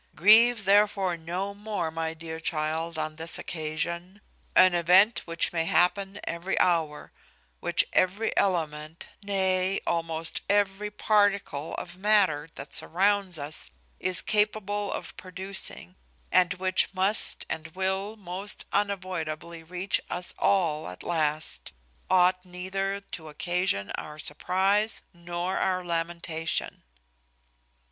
"Grieve, therefore, no more, my dear child, on this occasion: an event which may happen every hour; which every element, nay, almost every particle of matter that surrounds us is capable of producing, and which must and will most unavoidably reach us all at last, ought neither to occasion our surprize nor our lamentation.